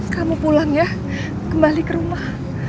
kamu pulang ya kembali ke rumah